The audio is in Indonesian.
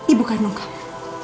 ibu kandung kamu